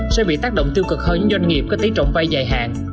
sẽ bị tác động tiêu cực hơn những doanh nghiệp có tí rộng vay dài hạn